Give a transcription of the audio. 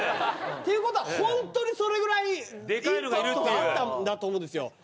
っていうことはホントにそれぐらいインパクトがあったんだと思うんですよ。